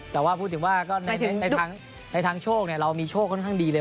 แต่ว่าพูดถึงว่าก็ในทางโชคเรามีโชคค่อนข้างดีเลย